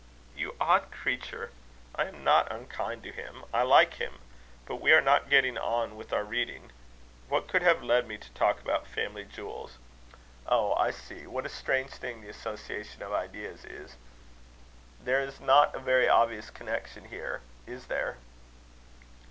"You odd creature! I am not unkind to him. I like him. But we are not getting on with our reading. What could have led me to talk about family jewels? Oh! I see. What a strange thing the association of ideas is! There is not a very obvious connexion here; is there?"